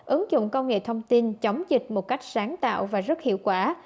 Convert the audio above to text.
ứng dụng công nghệ thông tin chống dịch một cách sáng tạo và rất hiệu quả